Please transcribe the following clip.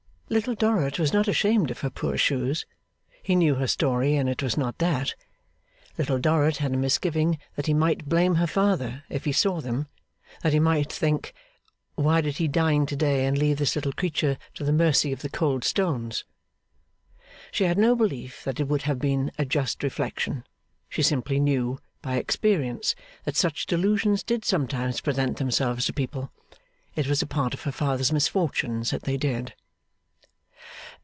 Little Dorrit was not ashamed of her poor shoes. He knew her story, and it was not that. Little Dorrit had a misgiving that he might blame her father, if he saw them; that he might think, 'why did he dine to day, and leave this little creature to the mercy of the cold stones!' She had no belief that it would have been a just reflection; she simply knew, by experience, that such delusions did sometimes present themselves to people. It was a part of her father's misfortunes that they did.